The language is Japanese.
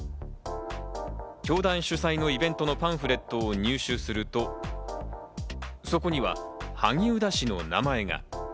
教団主催のイベントのパンフレットを入手すると、そこには萩生田氏の名前が。